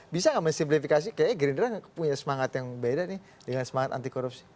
bisa nggak mensimplifikasi kayaknya gerindra punya semangat yang beda nih dengan semangat anti korupsi